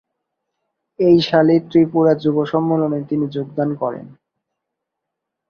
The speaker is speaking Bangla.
এই সালেই ত্রিপুরা যুব সম্মেলনে তিনি যোগদান করেন।